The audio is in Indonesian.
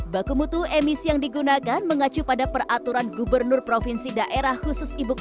baku mutu emisi yang digunakan mengacu pada peraturan gubernur provinsi daerah khusus ibu kota